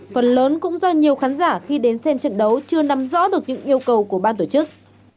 phần lớn cũng do nhiều khán giả khi đến xem trận đấu chưa nắm rõ được những yêu cầu của ban tổ chức